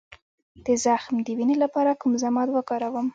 د زخم د وینې لپاره کوم ضماد وکاروم؟